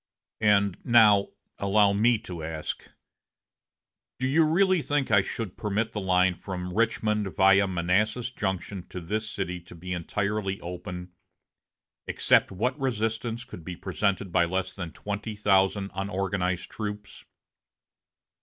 "And now allow me to ask, do you really think I should permit the line from Richmond via Manassas Junction to this city to be entirely open, except what resistance could be presented by less than twenty thousand unorganized troops?